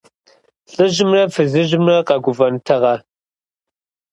ЛӀыжьымрэ фызыжьымрэ къэгуфӀэнтэкъэ?